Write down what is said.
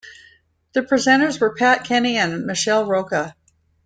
The presenters were Pat Kenny and Michelle Rocca.